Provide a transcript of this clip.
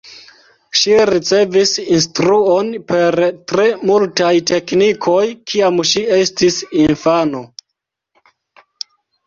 Ŝi ricevis instruon per tre multaj teknikoj kiam ŝi estis infano.